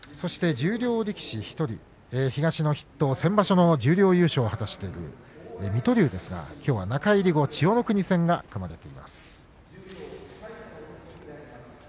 十両力士１人東の筆頭先場所の十両優勝を果たしている水戸龍ですが、きょうは中入り後千代の国戦が組まれています。